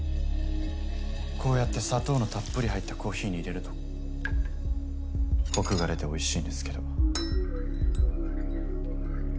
こうやって砂糖のたっぷり入ったコーヒーに入れるとコクが出ておいしいんですけど。